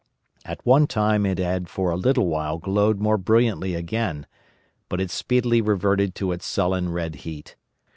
At one time it had for a little while glowed more brilliantly again, but it speedily reverted to its sullen red heat.